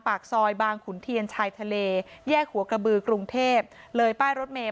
ปากซอยบางขุนเทียนชายทะเลแยกหัวกระบือกรุงเทพเลยป้ายรถเมย